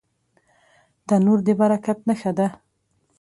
تنور د برکت نښه ده